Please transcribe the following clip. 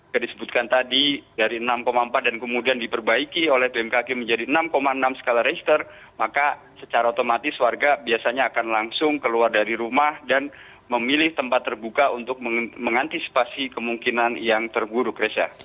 yang disebutkan tadi dari enam empat dan kemudian diperbaiki oleh bmkg menjadi enam enam skala reser maka secara otomatis warga biasanya akan langsung keluar dari rumah dan memilih tempat terbuka untuk mengantisipasi kemungkinan yang terburuk reza